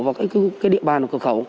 và địa bàn của cửa khẩu